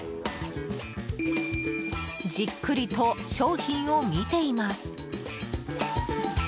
じっくりと商品を見ています。